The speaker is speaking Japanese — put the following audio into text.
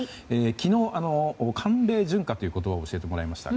昨日、寒冷順化という言葉を教えてもらいました。